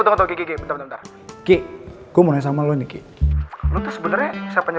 udah lagi sibuk udah ya bye itu kekekekeke gue mau sama lo nih sebenernya siapanya